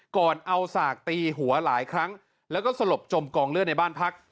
ก่อนเอาสากตีหัวหลายครั้งแล้วก็สลบจมกองเลือดในบ้านพัก